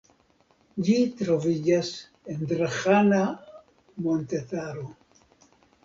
Ĝi troviĝas en Drahana montetaro.